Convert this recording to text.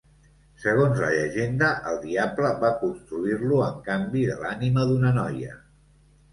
Segons la llegenda, el diable va construir-lo en canvi de l'ànima d'una noia.